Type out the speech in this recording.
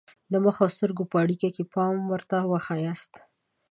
د مخ او سترګو په اړیکه پام ورته وښایاست.